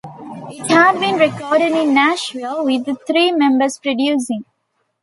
It had been recorded in Nashville with the three members producing.